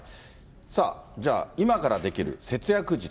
さあ、じゃあ、今からできる節約術。